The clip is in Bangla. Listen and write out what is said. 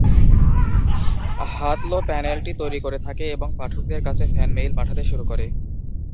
হাতলো প্যানেলটি তৈরি করতে থাকে এবং পাঠকদের কাছে ফ্যান মেইল পাঠাতে শুরু করে।